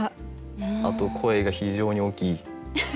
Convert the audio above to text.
あと声が非常に大きい。